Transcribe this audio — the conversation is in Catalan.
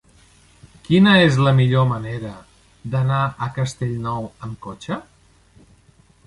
Quina és la millor manera d'anar a Castellnou amb cotxe?